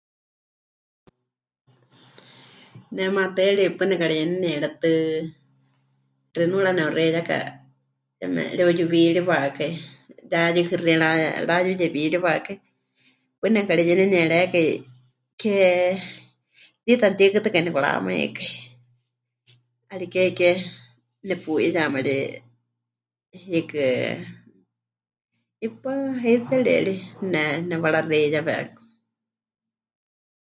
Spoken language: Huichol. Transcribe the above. Ne maatɨari paɨ nekareyenenieretɨ xinuura ne'uxeiyaka yeme pɨreuyuwiiriwakai, ya yuhɨxie pɨra... rayuyewiiriwakai, paɨ nepɨkareyenenierékai ke... tiita mɨtihɨkɨtɨkai nepɨkaramaikái, 'ariké ke nepu'iyama ri, hiikɨ, 'ipaɨ, heitserie ri ne... nepɨwaraxeiyawe 'aku.